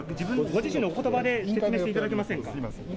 ご自身のおことばでご説明していただけませんか。